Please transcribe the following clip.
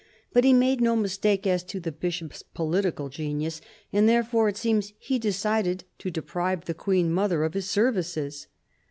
But he made no mistake as to the Bishop's political genius; and therefore, it seems, he decided to deprive the Queen mother of his services.